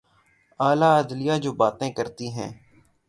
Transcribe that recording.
اعلی عدلیہ جو باتیں کرتی ہے۔